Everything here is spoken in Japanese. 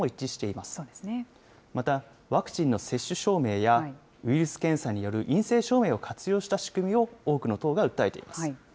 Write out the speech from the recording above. また、ワクチンの接種証明や、ウイルス検査による陰性証明を活用した仕組みを多くの党が訴えています。